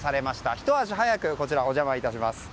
ひと足早くお邪魔いたします。